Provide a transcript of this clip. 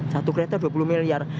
satu kereta dua puluh miliar